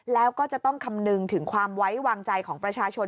แล้วก็จะต้องคำนึงถึงความไว้วางใจของประชาชน